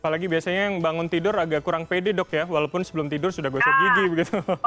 apalagi biasanya yang bangun tidur agak kurang pede dok ya walaupun sebelum tidur sudah gosok gigi begitu